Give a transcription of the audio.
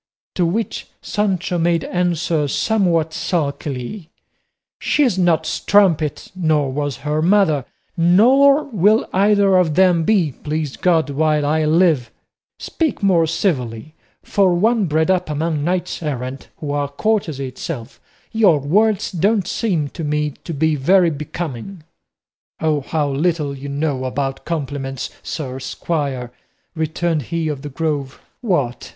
To which Sancho made answer, somewhat sulkily, "She's no strumpet, nor was her mother, nor will either of them be, please God, while I live; speak more civilly; for one bred up among knights errant, who are courtesy itself, your words don't seem to me to be very becoming." "O how little you know about compliments, sir squire," returned he of the Grove. "What!